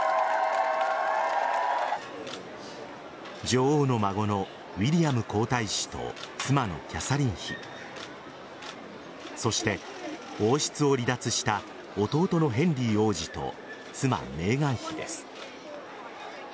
女王の孫のウィリアム皇太子と妻のキャサリン妃そして王室を離脱した弟のヘンリー王子と妻・メーガン妃です。